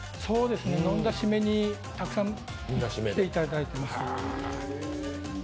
飲んだシメにたくさん来ていただいています。